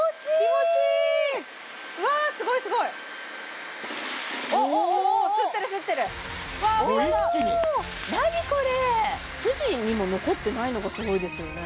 もう一気に筋にも残ってないのがすごいですよね